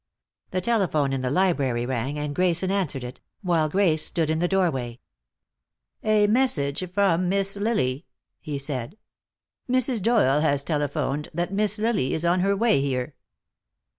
The telephone in the library rang, and Grayson answered it, while Grace stood in the doorway. "A message from Miss Lily," he said. "Mrs. Doyle has telephoned that Miss Lily is on her way here."